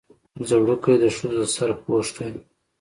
ځړوکی د ښځو د سر پوښ دی